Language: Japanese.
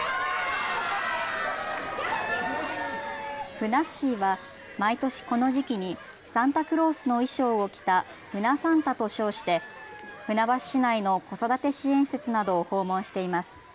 ふなっしーは毎年この時期にサンタクロースの衣装を着たふなサンタと称して船橋市内の子育て支援施設などを訪問しています。